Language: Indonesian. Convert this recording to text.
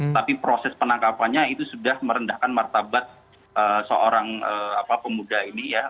tapi proses penangkapannya itu sudah merendahkan martabat seorang pemuda ini ya